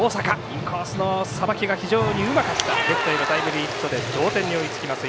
インコースのさばきが非常にうまかったレフトへのタイムリーヒットで同点に追いつきます。